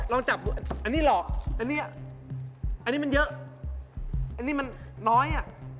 ลองจับอันนี้เหรออันนี้มันเยอะอันนี้มันน้อย